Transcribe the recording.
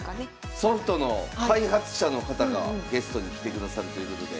ソフトの開発者の方がゲストに来てくださるということで。